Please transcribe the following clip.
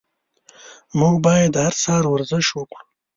موږ باید هر سهار ورزش وکړو.